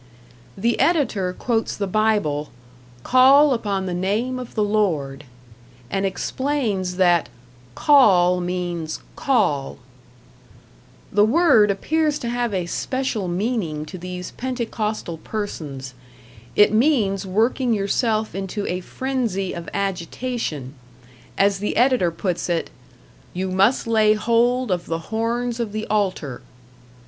The editor quotes the Bible, "Call upon the name of the Lord," and explains that "Call means #call#." The word appears to have a special meaning to these pentecostal persons it means working yourself into a frenzy of agitation; as the editor puts it, "you must #lay# hold of the #horns# of the #altar#."